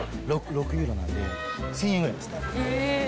６ユーロなんで１０００円ぐらいですね。